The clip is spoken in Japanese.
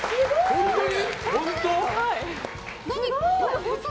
本当に？